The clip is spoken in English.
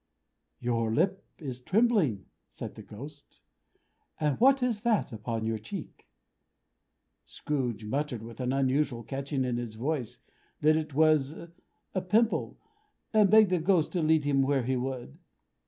"Your lip is trembling," said the Ghost. "And what is that upon your cheek?" Scrooge muttered, with an unusual catching in his voice, that it was a pimple; and begged the Ghost to lead him where he would.